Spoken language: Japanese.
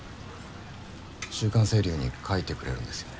週刊星流に書いてくれるんですよね？